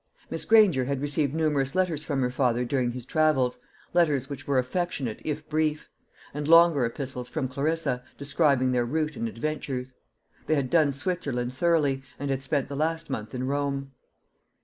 Miss Granger had received numerous letters from her father during his travels, letters which were affectionate if brief; and longer epistles from Clarissa, describing their route and adventures. They had done Switzerland thoroughly, and had spent the last month in Rome.